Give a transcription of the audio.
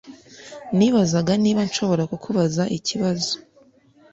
Nibazaga niba nshobora kukubaza ikibazo.